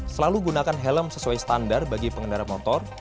selalu gunakan helm sesuai standar bagi pengendara motor